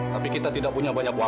tapi kita tidak boleh mencari dia